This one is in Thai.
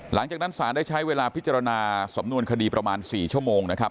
หลังจากนั้นศาลได้ใช้เวลาพิจารณาสำนวนคดีประมาณ๔ชั่วโมงนะครับ